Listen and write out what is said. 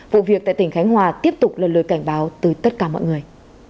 vụ việc tại tỉnh khánh hòa tiếp tục là lời cảnh báo tới tất cả mọi người